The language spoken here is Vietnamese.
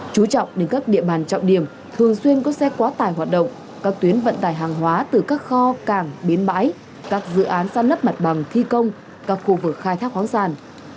chú trọng đến các địa bàn trọng điểm thường xuyên có xe quá tài hoạt động các tuyến vận tài hàng hóa từ các kho cảng biến bãi các dự án săn nấp mặt bằng thi công các khu vực khai thác khoáng sàn